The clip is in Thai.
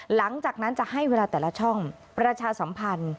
หลังจากนั้นจะให้เวลาแต่ละช่องประชาสัมพันธ์